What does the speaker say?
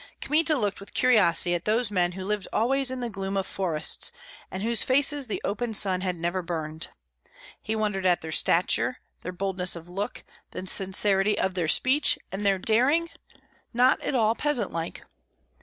Kmita looked with curiosity at those men who lived always in the gloom of forests, and whose faces the open sun had never burned; he wondered at their stature, their boldness of look, the sincerity of their speech, and their daring, not at all peasant like.